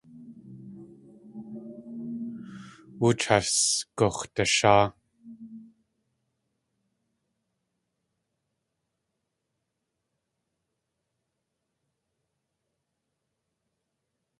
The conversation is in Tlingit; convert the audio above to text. Wooch has gux̲dasháa.